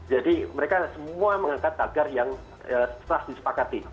jadi mereka semua mengangkat tagar yang setelah disepakati